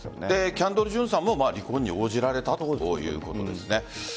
キャンドル・ジュンさんも離婚に応じられたということですね。